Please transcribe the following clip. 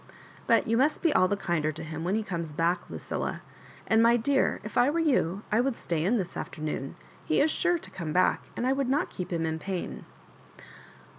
" But you must be all the kinder to him when he comes back, Lucilla. And, my dear, if I were you, I would stay in this afternoon. He is sure to come back, and I would not keep him in pain." '*!